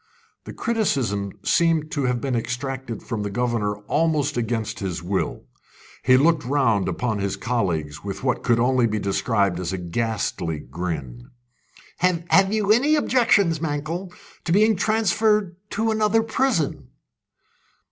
The criticism seemed to have been extracted from the governor almost against his will. He looked round upon his colleagues with what could only be described as a ghastly grin. "Have you any objection, Mankell, to being transferred to another prison?"